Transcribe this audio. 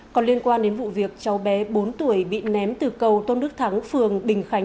còn liên quan đến vụ việc cháu bé bốn tuổi bị ném từ cầu tôn đức thắng phường bình khánh